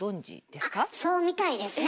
あっそうみたいですね！